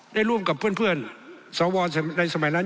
ได้ร่วมกับเพื่อนสวในสมัยนั้น